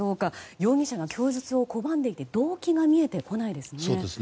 容疑者が供述を拒んでいて動機が見えてこないですね。